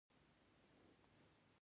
پاکستاني سرود ته د نه درېدو په جرم د